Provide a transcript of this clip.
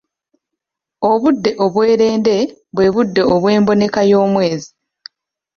Obudde obw'obwerende bwe budde obw'emboneka y'omwezi.